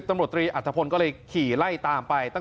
ตำรวจตรีอัฐพลก็เลยขี่ไล่ตามไป